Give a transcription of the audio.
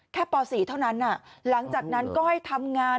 ป๔เท่านั้นหลังจากนั้นก็ให้ทำงาน